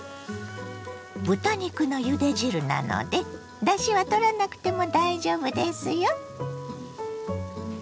豚肉のゆで汁なのでだしはとらなくても大丈夫ですよ。